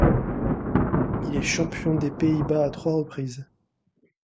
Il est champion des Pays-Bas à trois reprises.